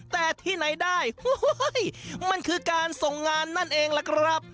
แต่ที่ไหนได้มันคือการส่งงานนั่นเองล่ะครับ